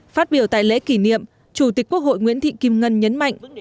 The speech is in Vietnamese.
phát biểu tại lễ kỷ niệm chủ tịch quốc hội nguyễn thị kim ngân nhấn mạnh